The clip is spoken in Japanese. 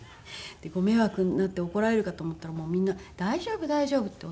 でご迷惑になって怒られるかと思ったらもうみんな「大丈夫大丈夫」って。